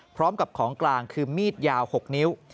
พร้อมกับของกลางคือมีดยาว๖นิ้ว